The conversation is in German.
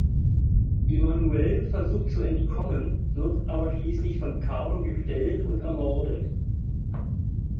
Emanuelle versucht zu entkommen, wird aber schließlich von Carlo gestellt und ermordet.